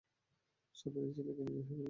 সবাই এই ছেলেকে নিজের হিরো মানত।